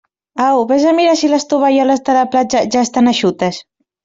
Au, vés a mirar si les tovalloles de la platja ja estan eixutes.